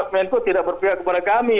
menko tidak berpihak kepada kami